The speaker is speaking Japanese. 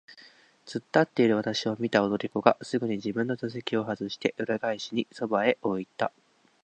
つっ立っているわたしを見た踊り子がすぐに自分の座布団をはずして、裏返しにそばへ置いた。